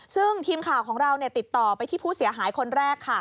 ซึ่งทีมข่าวของเราติดต่อไปที่ผู้เสียหายคนแรก